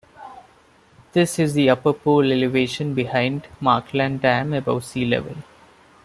This is the upper pool elevation behind the Markland Dam, above sea level.